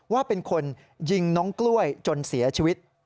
ว่าเป็นคนยิงน้องกล้วยจนเสียชีวิต